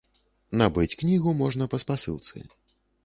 Набыць кнігу можна па спасылцы.